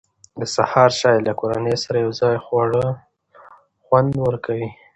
د سهار چای له کورنۍ سره یو ځای خوړل خوند ورکوي.